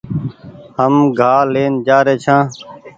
هم گآ لين جآري ڇآن